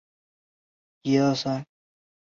但是我要了解这些人作出决定的原因。